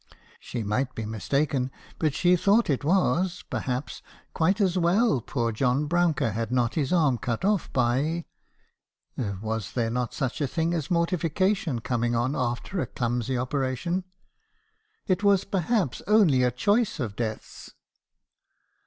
She might be mistaken; but she thought it was , perhaps , quite as well poor John Brouncker had not his arm cut off by —. Was there not such a thing as mortification coming on after a clumsy operation? It was, perhaps, only a choice of deaths